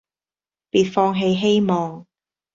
別放棄希望